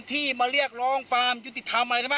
ที่มาเรียกร้องฟานป์ยุติธรรมอะไรนะปะ